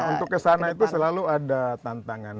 untuk kesana itu selalu ada tantangan